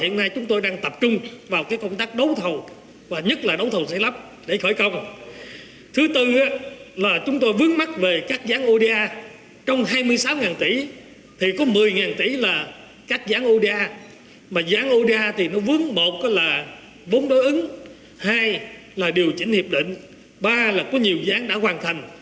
mà giãn oda thì nó vướng một là vốn đối ứng hai là điều chỉnh hiệp định ba là có nhiều giãn đã hoàn thành